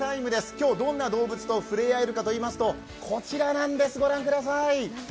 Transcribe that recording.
今日どんな動物と触れ合えるのかといいますとこちらなんです、ご覧ください！